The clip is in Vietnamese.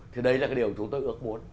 thì đấy là điều chúng tôi ước muốn